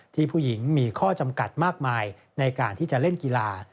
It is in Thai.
ผู้หญิงมีข้อจำกัดมากมายในการที่จะเล่นกีฬา